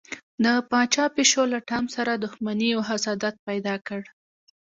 د پاچا پیشو له ټام سره دښمني او حسادت پیدا کړ.